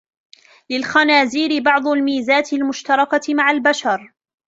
للخنازير بعض الميزات المشتركة مع البشر.